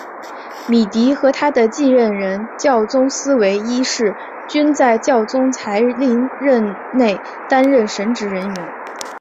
米迪和他的继任人教宗思维一世均在教宗才林任内担任神职人员。